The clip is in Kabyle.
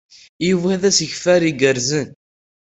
Yuba d asegbar igerrzen.